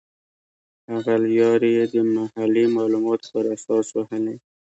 هغه لیارې یې د محلي معلوماتو پر اساس وهلې.